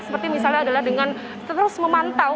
seperti misalnya adalah dengan terus memantau